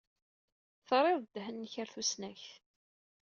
Terrid ddehn-nnek ɣer tusnakt.